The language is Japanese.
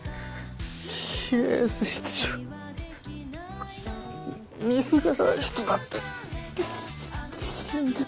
平安室長ミスがない人だって信じて。